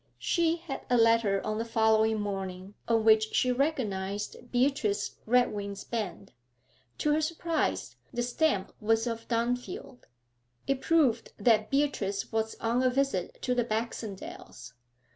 She had a letter on the following morning on which she recognised Beatrice Redwing's bend. To her surprise, the stamp was of Dunfield. It proved that Beatrice was on a visit to the Baxendales.